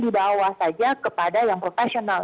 dibawa saja kepada yang profesional